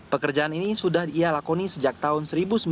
pekerjaan ini sudah ia lakoni sejak tahun seribu sembilan ratus sembilan puluh